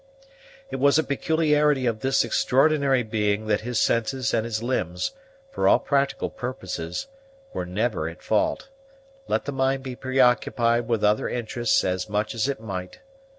It was a peculiarity of this extraordinary being that his senses and his limbs, for all practical purposes, were never at fault, let the mind be preoccupied with other interests as much as it might.